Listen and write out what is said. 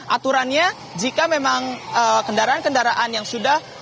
aturannya jika memang kendaraan kendaraan yang sudah